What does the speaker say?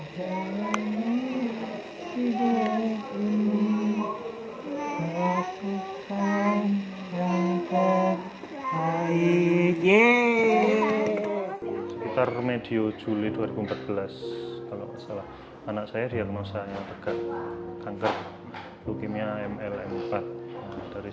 sekitar mediujuli dua ribu empat belas kalau salah anak saya dia masa yang tegak kanker lukimia mlm empat dari